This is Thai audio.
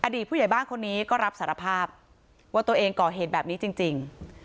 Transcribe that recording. ผู้ใหญ่บ้านคนนี้ก็รับสารภาพว่าตัวเองก่อเหตุแบบนี้จริง